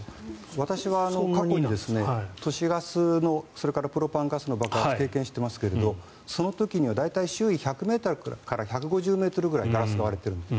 私は過去に都市ガスとそれからプロパンガスの爆発を経験していますがその時には大体周囲１００ｍから１５０ｍぐらいガラスが割れているんです。